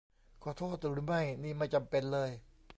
ขอโทษหรือไม่นี่ไม่จำเป็นเลย